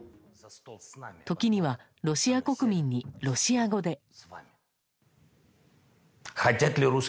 時にはロシア国民にロシア語で。